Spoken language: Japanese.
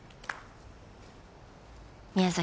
宮崎